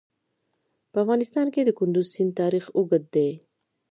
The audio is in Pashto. په افغانستان کې د کندز سیند تاریخ اوږد دی.